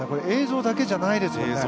映像だけじゃないですよね？